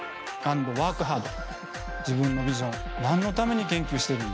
自分のビジョン何のために研究しているんだ。